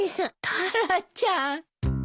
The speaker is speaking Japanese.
タラちゃん。